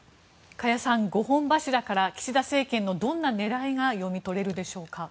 加谷さん、５本柱から岸田政権のどんな狙いが読み取れるでしょうか。